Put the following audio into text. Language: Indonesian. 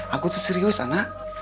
aku tuh serius anak